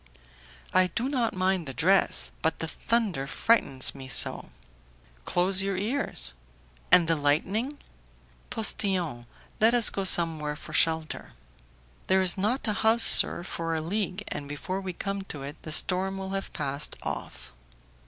"I do not mind the dress; but the thunder frightens me so!" "Close your ears." "And the lightning?" "Postillion, let us go somewhere for shelter." "There is not a house, sir, for a league, and before we come to it, the storm will have passed off."